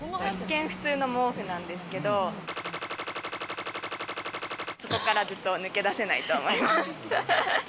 一見、普通の毛布なんですけど、そこから、ずっと抜け出せないと思います。